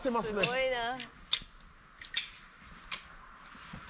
「すごいな」